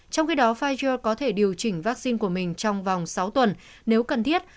trong khi đó pfijer có thể điều chỉnh vaccine của mình trong vòng sáu tuần nếu cần thiết